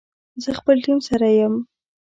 زه خپل ټیم سره یم